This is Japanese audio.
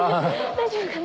大丈夫かな？